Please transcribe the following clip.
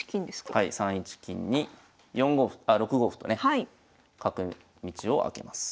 はい３一金に４五歩あ６五歩とね角道を開けます。